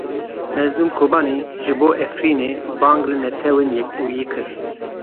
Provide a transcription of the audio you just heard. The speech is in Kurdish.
Mezlûm Kobanî ji bo Efrînê bang li Netewên Yekbûyî kir.